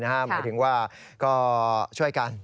หมายถึงว่าก็ช่วยกัน